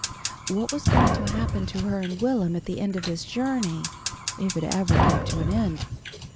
What was going to happen to her and Will'm at the end of this journey if it ever came to an end?